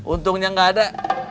untungnya gak ada